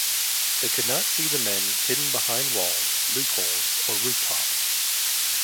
They could not see the men hidden behind walls, loopholes, or rooftops.